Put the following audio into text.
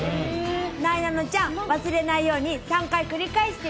なえなのちゃん、忘れないように３回？